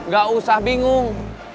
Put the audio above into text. gak usah bingung